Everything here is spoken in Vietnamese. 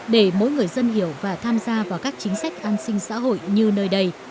để mỗi người dân hiểu và tham gia vào các chính sách an sinh xã hội như nơi đây